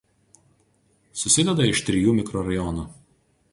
Susideda iš trijų mikrorajonų.